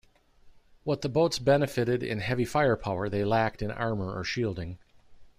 What the boats benefited in heavy firepower they lacked in armor or shielding.